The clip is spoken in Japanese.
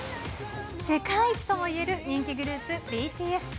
世界一ともいえる人気グループ、ＢＴＳ。